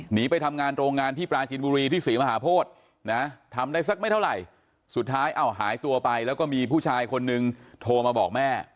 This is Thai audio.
หนีไปทำงานโรงงานที่ปราจินบุรีที่ศรีมหาโพธินะทำได้สักไม่เท่าไหร่สุดท้ายหายตัวไปแล้วก็มีผู้ชายคนนึงโทรมาบอกแม่